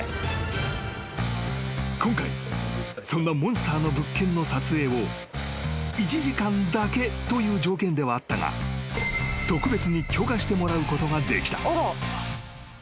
［今回そんなモンスターな物件の撮影を１時間だけという条件ではあったが特別に許可してもらうことができた］